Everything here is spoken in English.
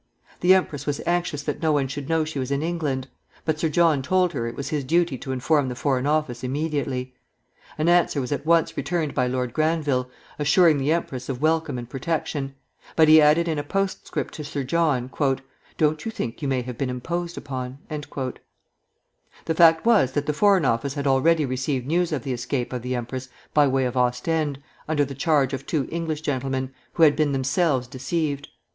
The empress was anxious that no one should know she was in England; but Sir John told her it was his duty to inform the Foreign Office immediately. An answer was at once returned by Lord Granville, assuring the empress of welcome and protection; but he added in a postscript to Sir John: "Don't you think you may have been imposed upon?" The fact was that the Foreign Office had already received news of the escape of the empress by way of Ostend, under the charge of two English gentlemen, who had been themselves deceived.